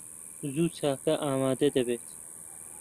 زوو چاکە ئامادە دەبێت.